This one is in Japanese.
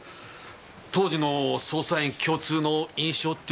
当時の捜査員共通の印象っていうか。